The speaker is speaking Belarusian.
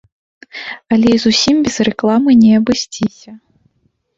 Але і зусім без рэкламы не абысціся.